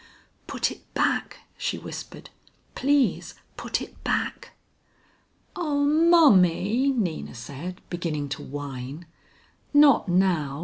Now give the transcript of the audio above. "Put it back," she whispered. "Please put it back." "Oh Mommy," Nina said, beginning to whine. "Not now.